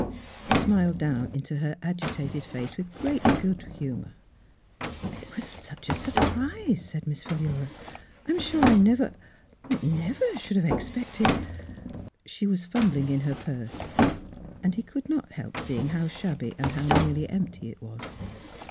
He smiled down into her agitated face with great good humour. " It was such a surprise," said Miss Miss Philura's Wedding Gown Philura. " I'm sure I never — I never should have expected —" She was fumbling in her purse and he could not help seeing how shabby and how nearly empty it was.